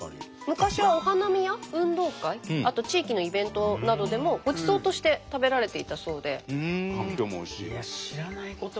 昔はお花見や運動会あと地域のイベントなどでもごちそうとして食べられていたそうで。